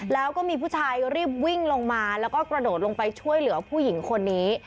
แล้วก็มีผู้ชายรีบวิ่งลงมาแล้วก็กระโดดลงไปช่วยเหลือผู้หญิงคนนี้